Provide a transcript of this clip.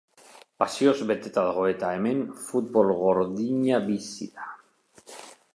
Pasioz beteta dago, eta hemen futbol gordina bizi da.